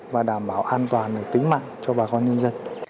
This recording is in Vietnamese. và đảm bảo an toàn tính mạng cho bà con nhân dân